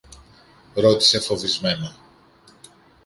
ρώτησε φοβισμένα.